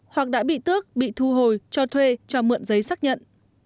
hoặc đã bị tước bị thu hồi cho thuê cho mượn giấy xác nhận